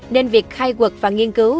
nên việc khai quật và nghiên cứu